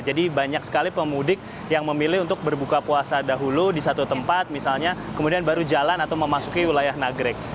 jadi banyak sekali pemudik yang memilih untuk berbuka puasa dahulu di satu tempat misalnya kemudian baru jalan atau memasuki wilayah nagrek